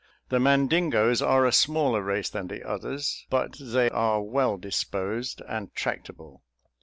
The Mandingoes are a smaller race than the others, but they are well disposed and tractable.